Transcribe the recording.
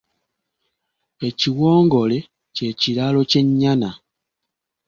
Ekiwongole ky'ekiraalo ky'e nnyana.